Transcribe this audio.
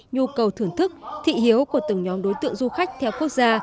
nhu cầu thưởng thức thị hiếu của từng nhóm đối tượng du khách theo quốc gia